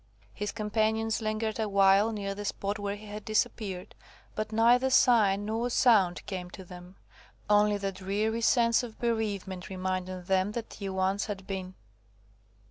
His companions lingered awhile near the spot where he had disappeared, but neither sign nor sound came to them. Only the dreary sense of bereavement reminded them that he once had been.